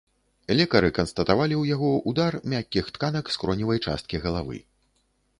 Лекары канстатавалі у яго удар мяккіх тканак скроневай часткі галавы.